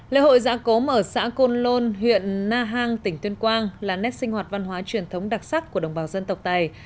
lễ hội giã cốm ở xã côn lôn huyện na hàng tỉnh tuyên quang là nét sinh hoạt văn hóa truyền thống đặc sắc của đồng bào dân tộc tài